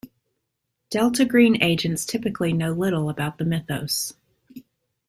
Delta Green agents typically know little about the Mythos.